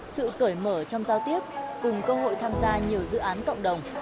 sự cởi mở trong giao tiếp cùng cơ hội tham gia nhiều dự án cộng đồng